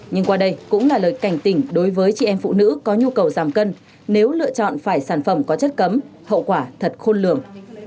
nhưng qua đây cũng là lời cảnh tỉnh đối với chị em phụ nữ có nhu cầu giảm cân nếu lựa chọn phải sản phẩm có chất cấm hậu quả thật khôn lường